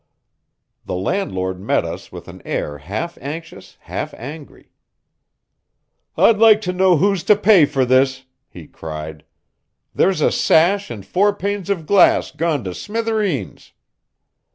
The landlord met us with an air half anxious, half angry. "I'd like to know who's to pay for this!" he cried. "There's a sash and four panes of glass gone to smithereens."